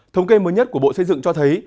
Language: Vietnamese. thống kê mới nhất của bộ xây dựng cho thấy